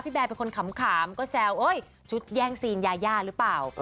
แบร์เป็นคนขำก็แซวชุดแย่งซีนยายาหรือเปล่า